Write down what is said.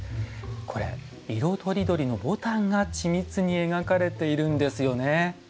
これ色とりどりのボタンが緻密に描かれているんですよね。